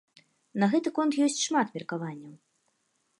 На гэты конт ёсць шмат меркаванняў.